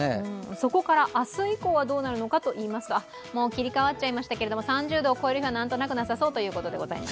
そこから明日以降はどうなるのかといいますともう切り替わっちゃぃましたけど、３０度を超える日はなさそうということです。